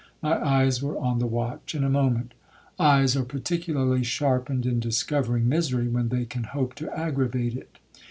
My eyes were on the watch in a moment. Eyes are particularly sharpened in discovering misery when they can hope to aggravate it.